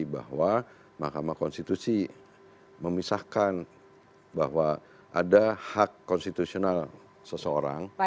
bahwa mahkamah konstitusi memisahkan bahwa ada hak konstitusional seseorang